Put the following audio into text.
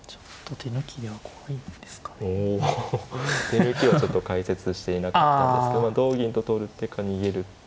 お手抜きはちょっと解説していなかったんですけど同銀と取る手か逃げる。